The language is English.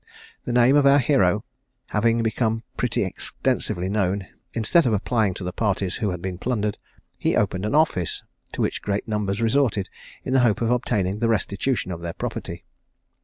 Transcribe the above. The name of our hero having become pretty extensively known, instead of applying to the parties who had been plundered, he opened an office, to which great numbers resorted, in the hope of obtaining the restitution of their property.